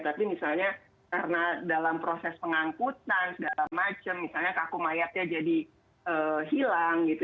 tapi misalnya karena dalam proses pengangkutan segala macam misalnya kaku mayatnya jadi hilang gitu